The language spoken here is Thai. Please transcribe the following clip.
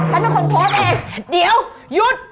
ฉันเป็นคนโพสต์เองเดี๋ยวหยุด